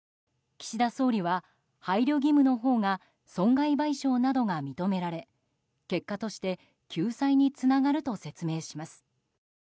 岸田総理は、配慮義務のほうが損害賠償などが認められ結果として救済につながると説明します。